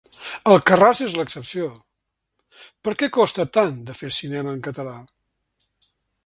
Alcarràs és l’excepció: per què costa tant de fer cinema en català?